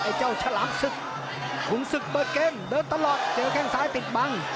เจ้าฉลามศึกขุนศึกเปิดเกมเดินตลอดเจอแข้งซ้ายติดบัง